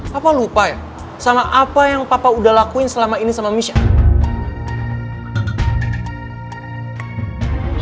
papa lupa ya sama apa yang papa udah lakuin selama ini sama michel